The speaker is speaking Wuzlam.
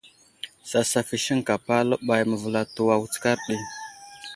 Sasaf i siŋkapa aləɓay məvəlato a wutskar ɗi.